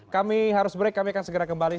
kami harus break kami akan segera kembali